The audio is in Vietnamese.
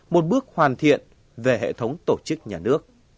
một bước hoàn thiện về hệ thống tổ chức nhà nước